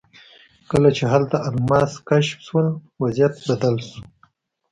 کله چې هلته الماس کشف شول وضعیت بدل شو.